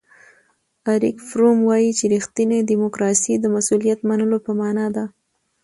اریک فروم وایي چې ریښتینې دیموکراسي د مسؤلیت منلو په مانا ده.